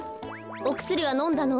おくすりはのんだの？